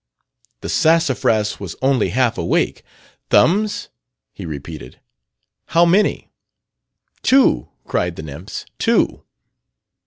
"The Sassafras was only half awake. 'Thumbs?' he repeated. 'How many?' "'Two!' cried the nymphs. 'Two!'